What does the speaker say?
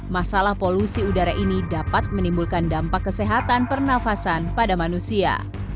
masalah polusi udara ini dapat menimbulkan dampak kesehatan pernafasan pada manusia